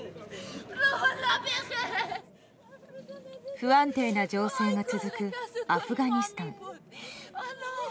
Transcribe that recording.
不安定な情勢が続くアフガニスタン。